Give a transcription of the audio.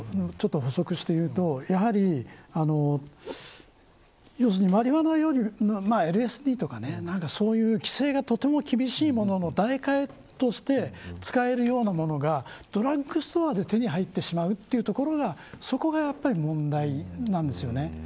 それと、あと、アメリカの例を補足して言うと要するに、マリファナよりＬＳＤとか、そういう規制がとても厳しいものの代替として使えるようなものがドラッグストアで手に入ってしまうところがそこが問題なんですよね。